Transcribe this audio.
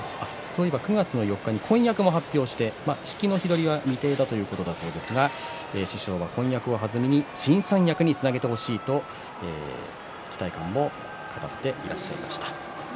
９月４日に婚約も発表して式の日取りは未定だということですが師匠は婚約を弾みに新三役につなげてほしいと期待感も語っていらっしゃいました。